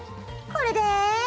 これで。